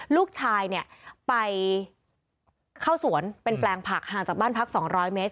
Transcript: ลูกชายเนี่ยไปเข้าสวนเป็นแปลงผักห่างจากบ้านพัก๒๐๐เมตร